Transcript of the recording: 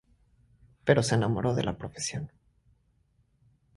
Pero se enamoró de la profesión.